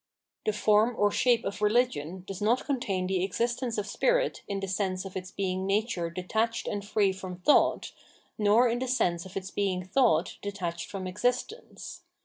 The form or shape of rehgion does not contain the existence of spirit in the sense of its being nature detached and free from thought, nor in the sense of its being thought detached from existence.